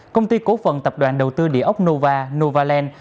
công ty cổ phần tập đoàn đầu tư địa ốc nova novaland